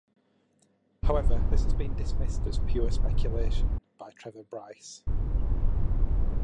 However, this has been dismissed as "pure speculation" by Trevor Bryce.